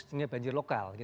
ini banjir lokal